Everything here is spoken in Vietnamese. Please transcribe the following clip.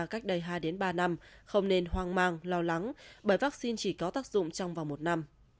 cách đây hai ba năm không nên hoang mang lo lắng bởi vaccine chỉ có tác dụng trong vòng một năm